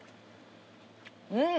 うん！